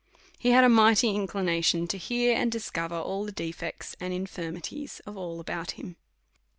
He had a mighty inclination to hear and discover all the defects and infirmities of all about him.